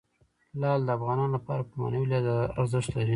لعل د افغانانو لپاره په معنوي لحاظ ارزښت لري.